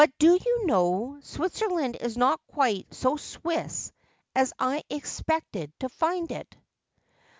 doyou know, Switzerland is not quite so Swiss as I expected to find it.'